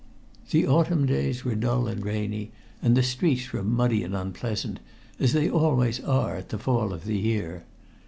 The autumn days were dull and rainy, and the streets were muddy and unpleasant, as they always are at the fall of the year.